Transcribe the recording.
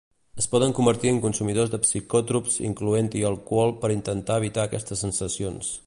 Es poden convertir en consumidors de psicòtrops incloent-hi alcohol per intentar evitar aquestes sensacions.